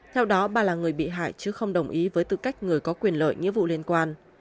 theo đó bà là người bị hại chứ không đồng ý với tư cách người có quyền lợi nghĩa vụ liên quan